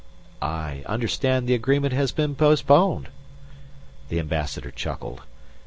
"I understand the agreement has been postponed." The Ambassador chuckled.